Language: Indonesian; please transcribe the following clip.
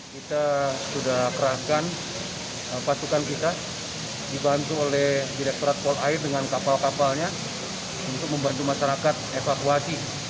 kita sudah kerahkan pasukan kita dibantu oleh direkturat pol air dengan kapal kapalnya untuk membantu masyarakat evakuasi